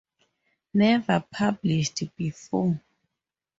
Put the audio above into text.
Never published before!